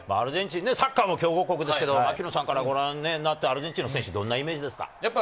アルゼンチンはサッカーも強豪国ですけれども槙野さんからご覧になってアルゼンチンの選手、どんなイメージですか？